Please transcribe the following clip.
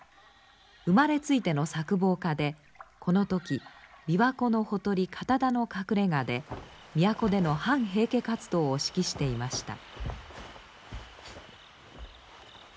生まれついての策謀家でこの時琵琶湖のほとり堅田の隠れ家で都での反平家活動を指揮していました。